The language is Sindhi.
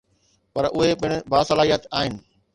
پر اهي پڻ باصلاحيت آهن.